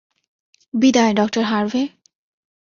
বিদায়, ডঃ হার্ভে।